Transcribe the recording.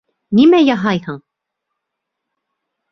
Нимә яһайһың?